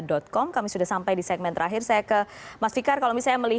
jadi kasus ahmad dhani ini